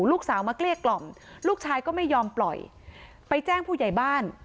ลูกสาวมาเกลี้ยกล่อมลูกชายก็ไม่ยอมปล่อยไปแจ้งผู้ใหญ่บ้าน